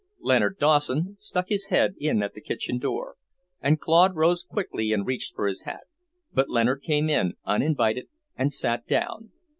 Leonard Dawson stuck his head in at the kitchen door, and Claude rose quickly and reached for his hat; but Leonard came in, uninvited, and sat down.